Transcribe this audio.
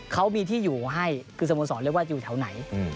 เขามีที่อยู่ให้คือสโมสรเรียกว่าอยู่แถวไหน